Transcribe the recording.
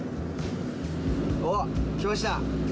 わっ、来ました。